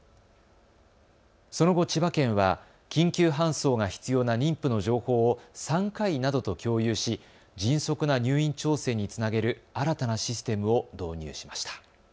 その後、千葉県は緊急搬送が必要な妊婦の情報を産科医などと共有し、迅速な入院調整につなげる新たなシステムを導入しました。